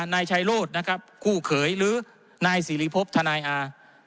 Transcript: นายชัยโรธนะครับคู่เขยหรือนายสิริพบทนายอา